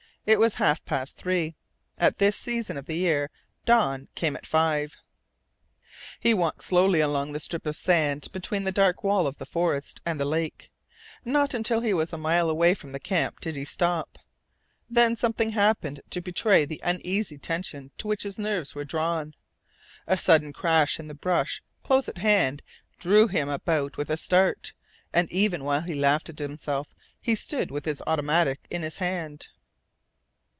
It was half past three. At this season of the year dawn came at five. He walked slowly along the strip of sand between the dark wall of the forest and the lake. Not until he was a mile away from the camp did he stop. Then something happened to betray the uneasy tension to which his nerves were drawn. A sudden crash in the brush close at hand drew him about with a start, and even while he laughed at himself he stood with his automatic in his hand.